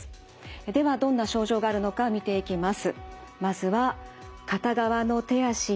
ではどんな症状があるのか見ていきます。